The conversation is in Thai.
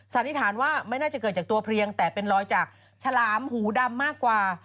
สันนิษฐานว่าไม่น่าจะเกิดจากตัวเพลียงแต่เป็นรอยจากฉลามหูดำมากกว่า